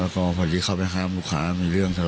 ก็ไม่มีเรื่องกับอีกกลุ่มนึง